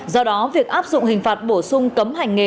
do đó việc áp dụng hình phạt bổ sung cấm hành nghề